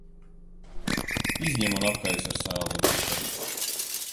Izņem un apkaisi ar sāli un pipariem.